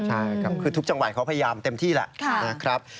ใช่ครับคือทุกจังหวัยเขาพยายามเต็มที่แล้ว